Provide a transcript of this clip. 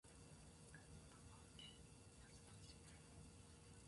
神奈川県秦野市